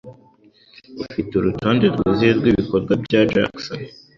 Ufite urutonde rwuzuye rwibikorwa bya Jackson?